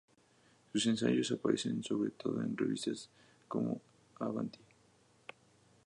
Sus ensayos aparecen sobre todo en revistas como "Avanti"!